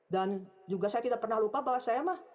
dan juga saya tidak pernah lupa bahwa saya mah